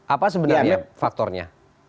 apa sebenarnya faktornya